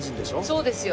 そうですよ。